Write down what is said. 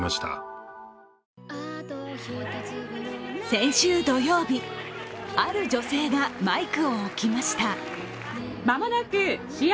先週土曜日、ある女性がマイクを置きました。